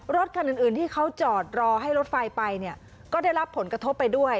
รถคันอื่นที่เขาจอดรอให้รถไฟไปเนี่ยก็ได้รับผลกระทบไปด้วย